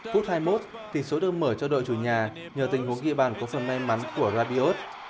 phút hai mươi một thì số đơn mở cho đội chủ nhà nhờ tình huống ghi bàn của phần may mắn của rabiot